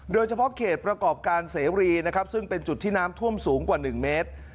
โดยเฉพาะเขตประกอบการเสรีนะครับซึ่งเป็นจุดที่น้ำท่วมสูงกว่า๑เมตร